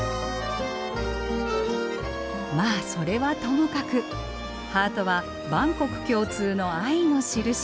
まあそれはともかくハートは万国共通の愛の印。